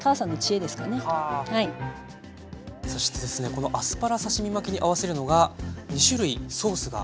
このアスパラ刺身巻きに合わせるのが２種類ソースがありますね。